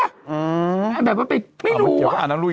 อืมไม่เกี่ยวแต่นึกว่ามันไปเกี่ยวแต่นึกว่ามันไปเกี่ยวแต่นึกว่ามันไปเกี่ยว